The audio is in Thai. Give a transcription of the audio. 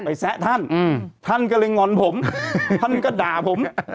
ไปแซะท่านท่านก็เลยงอนผมท่านก็ด่าผม